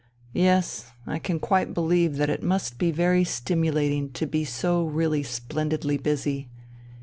"Yes, I can quite believe that it must be very stimulating to be so really splendidly busy.